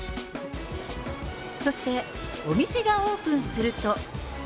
そして、お店がオープンすると。